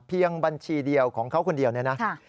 เพียงบัญชีเดียวของเขาคนเดียวนะครับ